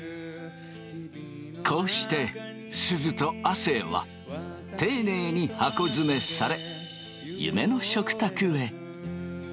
こうしてすずと亜生は丁寧に箱詰めされ夢の食卓へ。